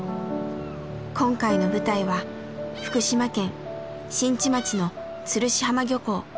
今回の舞台は福島県新地町の釣師浜漁港。